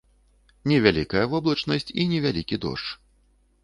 Невялікая воблачнасць і невялікі дождж.